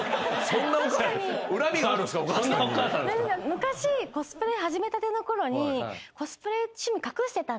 昔コスプレ始めたてのころに。